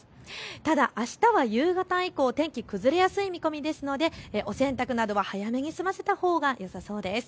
ただあしたは夕方以降、天気、崩れやすい見込みですのでお洗濯などは早めに済ませたほうがよさそうです。